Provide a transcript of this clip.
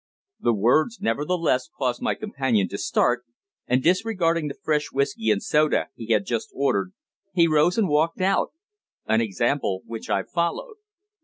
The words, nevertheless, caused my companion to start, and, disregarding the fresh whiskey and soda he had just ordered, he rose and walked out an example which I followed.